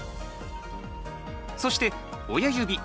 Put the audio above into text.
そして親指